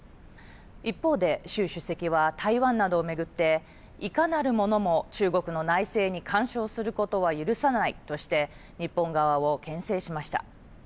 一方で、習主席は台湾などを巡って、いかなる者も中国の内政に干渉することは許さないとして、日本側をけん制しました。